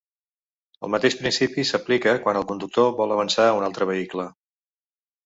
El mateix principi s’aplica quan el conductor vol avançar un altre vehicle.